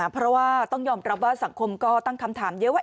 เพราะว่าต้องยอมรับว่าสังคมก็ตั้งคำถามเยอะว่า